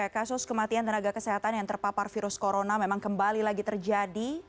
kasus kematian tenaga kesehatan yang terpapar virus corona memang kembali lagi terjadi